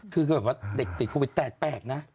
คือเมื่อเด็กติดโควิดแตกแปลกนะ